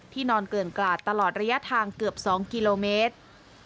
นอนเกลื่อนกลาดตลอดระยะทางเกือบ๒กิโลเมตร